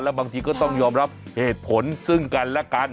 บางทีก็ต้องยอมรับเหตุผลซึ่งกันและกัน